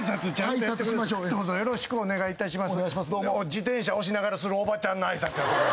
自転車押しながらするおばちゃんの挨拶やそれ。